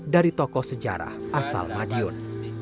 dari tokoh sejarah asal madiun